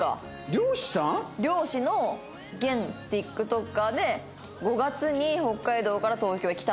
漁師の現ＴｉｋＴｏｋｅｒで５月に北海道から東京へ来たばかり。